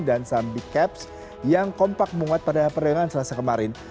dan sam bicaps yang kompak menguat pada perdagangan selasa kemarin